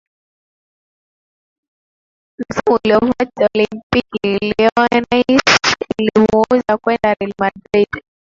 Msimu uliofuata Olympique Lyonnais ilimuuza kwenda Real Madrid